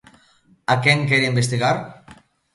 ¿A quen quere investigar?